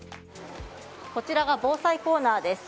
こちらが防災コーナーです。